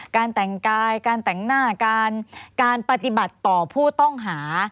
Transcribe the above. การแต่งกายการแต่งหน้าการปฏิบัติต่อผู้ต้องหา